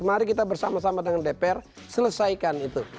mari kita bersama sama dengan dpr selesaikan itu